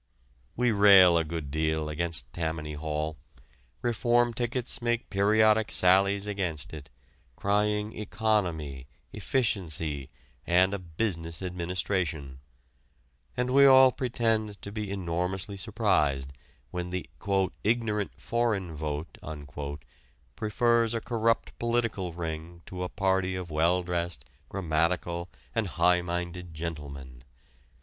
We rail a good deal against Tammany Hall. Reform tickets make periodic sallies against it, crying economy, efficiency, and a business administration. And we all pretend to be enormously surprised when the "ignorant foreign vote" prefers a corrupt political ring to a party of well dressed, grammatical, and high minded gentlemen.